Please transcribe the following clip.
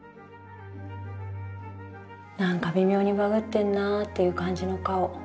「何か微妙にバグってるなという感じの顔。